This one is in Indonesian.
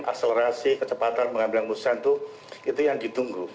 akselerasi kecepatan pengambilan kemusuhan itu yang ditunggu